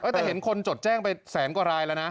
แต่เห็นคนจดแจ้งไปแสนกว่ารายแล้วนะ